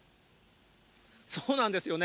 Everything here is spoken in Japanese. そうなんですよね。